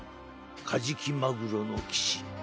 カジキマグロの騎士。